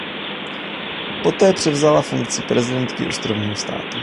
Poté převzala funkci prezidentky ostrovního státu.